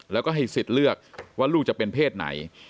แล้วก็ให้สิทธิ์เลือกว่าลูกจะเป็นเพศไหน